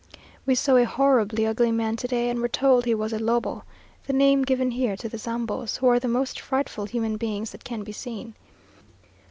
We saw a horribly ugly man to day, and were told he was a lobo, the name given here to the Zambos; who are the most frightful human beings that can be seen.